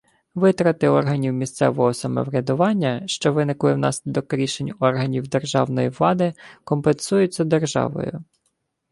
Витрати органів місцевого самоврядування, що виникли внаслідок рішень органів державної влади, компенсуються державою